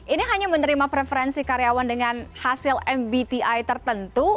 ini hanya menerima preferensi karyawan dengan hasil mbti tertentu